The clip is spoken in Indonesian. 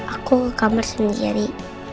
aku ke kamar sendiri